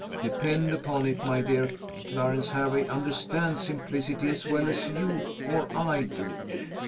Depend upon it, my dear, Clarence Hervey understands simplicity as well as you or I do.